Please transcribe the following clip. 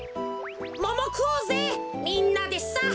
みんなでさ！